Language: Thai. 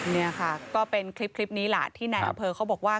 นี่ค่ะก็เป็นคลิปนี้แหละที่นายอำเภอเขาบอกว่า